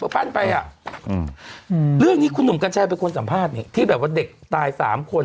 ปั้นไปอ่ะอืมเรื่องนี้คุณหนุ่มกัญชัยเป็นคนสัมภาษณ์นี่ที่แบบว่าเด็กตายสามคน